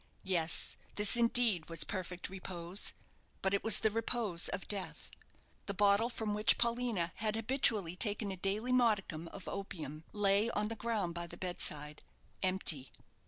Yes this indeed was perfect repose; but it was the repose of death. The bottle from which Paulina had habitually taken a daily modicum of opium, lay on the ground by the bedside, empty.